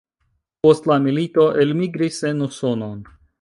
Post la milito elmigris en Usonon.